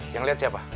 yang liat siapa